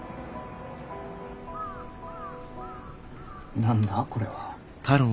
何だこれは。